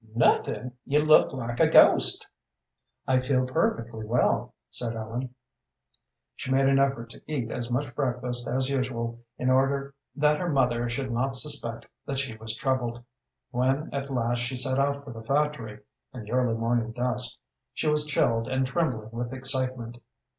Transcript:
"Nothing! You look like a ghost." "I feel perfectly well," said Ellen. She made an effort to eat as much breakfast as usual in order that her mother should not suspect that she was troubled. When at last she set out for the factory, in the early morning dusk, she was chilled and trembling with excitement.